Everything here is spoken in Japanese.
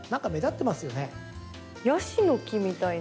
ヤシの木みたいな。